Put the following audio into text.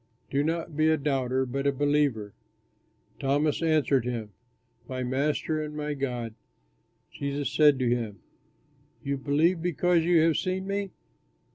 Do not be a doubter but a believer." Thomas answered him, "My Master and my God!" Jesus said to him, "You believe because you have seen me?